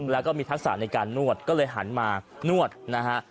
แล้วก็มีทักษะในการนวดก็เลยหันมานวดนะฮะ